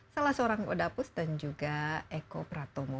salah seorang odapus dan juga ekopratomo